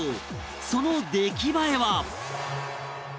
その出来栄えは？